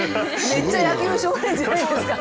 めっちゃ野球少年じゃないですか。